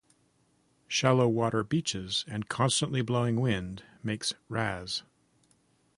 Shallow water beaches and constantly blowing wind, makes Ras.